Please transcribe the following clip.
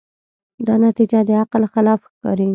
دا نتیجه د عقل خلاف ښکاري.